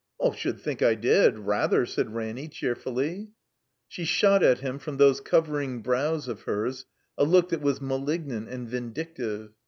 "Should think I did. Rather," said Ranny, cheerfully. She shot at him from those covering brows of hers a look that was malignant and vindictive.